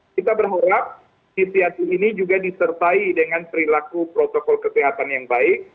kita berharap situasi ini juga disertai dengan perilaku protokol kesehatan yang baik